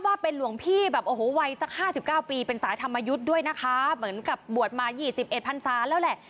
ว่าเป็นหลวงพี่แบบโอ้โหวัยสักห้าสิบเก้าปีเป็นสายธรรมยุทธ์ด้วยนะคะเหมือนกับบวชมา๒๑พันศาแล้วแหละ